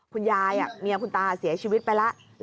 คุณยายเมียคุณตาเสียชีวิตไปแล้ว